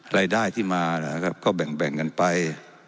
รายได้ที่มาก็แบ่งกันไป